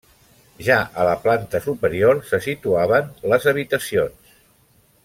Ja a la planta superior se situaven les habitacions.